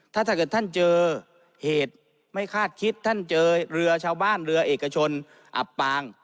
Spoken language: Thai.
ถ้าเกิดท่านเจอเหตุไม่คาดคิดท่านเจอเรือชาวบ้านเรือเอกชนอับปาง